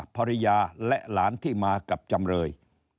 ภรรยาและหลานที่มากับจำเลย